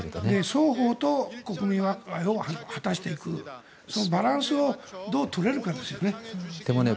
双方と国民を果たしていくバランスをどう取れるかですね。